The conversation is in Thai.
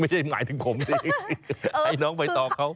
ไม่ใช่หมายถึงผมสิไอ้น้องไปต่อเขา